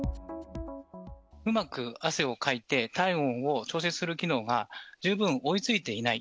うまく汗をかいて、体温を調節する機能が十分追いついていない。